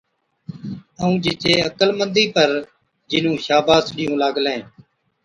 ائُون جِچِي عقلمندِي پر جِنُون شاباش ڏِيئُون لاگلين،